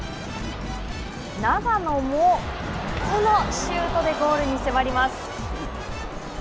長野もこのシュートでゴールに迫ります。